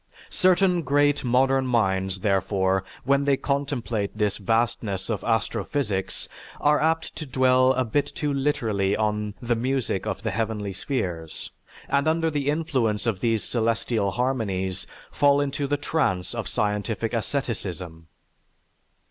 Certain great modern minds, therefore, when they contemplate this vastness of astrophysics are apt to dwell a bit too literally on the "music of the heavenly spheres," and under the influence of these celestial harmonies fall into the trance of scientific asceticism.